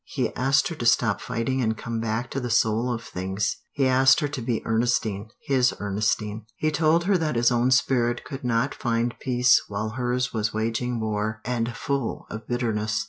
He asked her to stop fighting and come back to the soul of things. He asked her to be Ernestine his Ernestine. He told her that his own spirit could not find peace while hers was waging war and full of bitterness.